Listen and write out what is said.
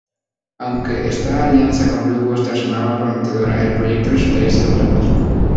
Aunque esta alianza con Blockbuster sonaba prometedora, el proyecto resultaría ser un fracaso.